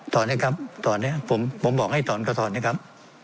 นะครับถอนนะครับผมบอกให้ถอนก็ถอนนะครับ